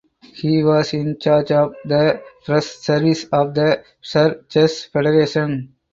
He was in charge of the press service of the Saar Chess Federation.